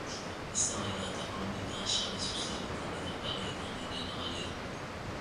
Eztabaida eta polemika sare sozialetan eta kaleetan ere nabari da.